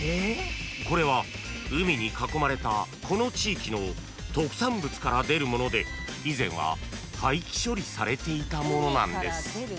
［これは海に囲まれたこの地域の特産物から出るもので以前は廃棄処理されていたものなんです］